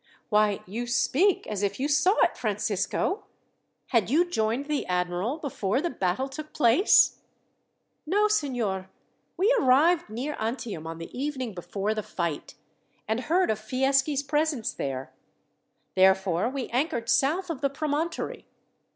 "Why, you speak as if you saw it, Francisco! Had you joined the admiral before the battle took place?" "No, signor. We arrived near Antium on the evening before the fight, and heard of Fieschi's presence there. Therefore we anchored south of the promontory.